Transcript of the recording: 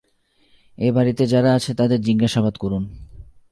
এ-বাড়িতে যারা আছে তাদের জিজ্ঞাসাবাদ করুন।